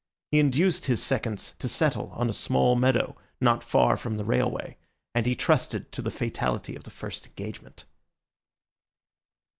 He induced his seconds to settle on a small meadow not far from the railway, and he trusted to the fatality of the first engagement.